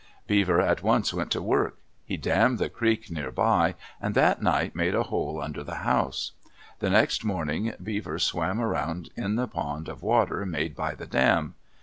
Beaver at once went to work. He dammed the creek nearby and that night made a hole under that house. The next morning Beaver swam around in the pond of water made by the dam.